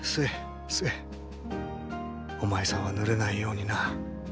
おまいさんはぬれないようにな。